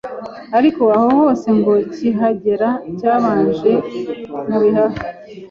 ariko aho hose ngo kihagera cyabanje mu bihaha.